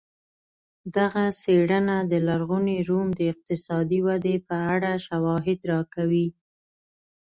دغه څېړنه د لرغوني روم د اقتصادي ودې په اړه شواهد راکوي